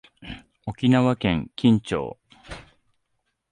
沖縄県金武町